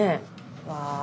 うわ。